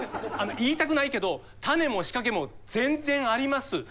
言いたくないけどタネも仕掛けも全然あります。